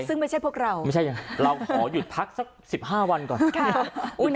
ซึ่งไม่ใช่พวกเราไม่ใช่เราขอหยุดพักสักสิบห้าวันก่อน